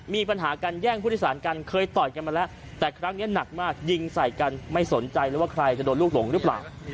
มีปัญหาการแย่งผู้โดยสารกันเคยต่อยกันมาแล้วแต่ครั้งนี้หนักมากยิงใส่กันไม่สนใจเลยว่าใครจะโดนลูกหลงหรือเปล่า